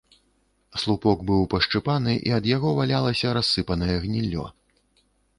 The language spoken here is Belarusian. Слупок быў пашчыпаны, і ад яго валялася рассыпанае гніллё.